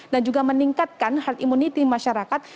dan juga meningkatkan heart immunity masyarakat